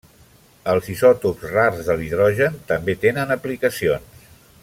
Els isòtops rars de l'hidrogen també tenen aplicacions.